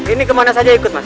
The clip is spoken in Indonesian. ini kemana saja ikut mas